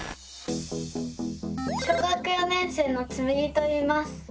小学４年生のつむぎといいます。